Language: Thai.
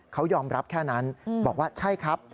เขายอมรับแค่นั้นบอกว่าใช่ครับ